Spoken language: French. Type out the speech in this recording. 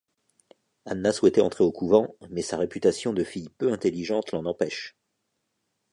Anna souhaitait entrer au couvent, mais sa réputation de fille peu intelligente l'en empêche.